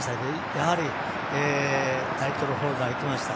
やはり、タイトルホルダーいきました。